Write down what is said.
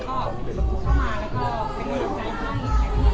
โปรดติดตามตอนต่อไป